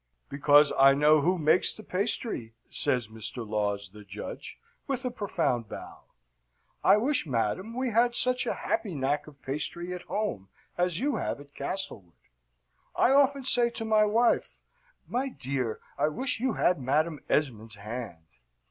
"Because I know who makes the pastry," says Mr. Laws, the judge, with a profound bow. "I wish, madam, we had such a happy knack of pastry at home as you have at Castlewood. I often say to my wife, 'My dear, I wish you had Madam Esmond's hand.'"